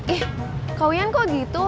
ih kawinan kok gitu